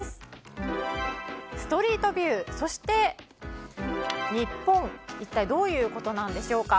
まずはストリートビュー、そして日本一体どういうことなんでしょうか。